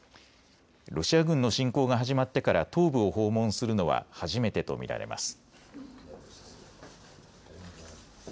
ロシア軍の侵攻が始まってから東部を訪問するのは初めてと見られます。